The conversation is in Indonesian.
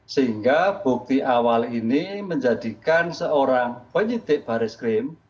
sehingga bukti awal ini menjadikan seorang penyidik baris krim